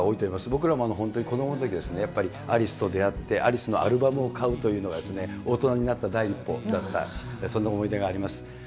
僕らも本当に子どものとき、やっぱりアリスと出会って、アリスのアルバムを買うというのが、大人になった第一歩だった、そんな思い出があります。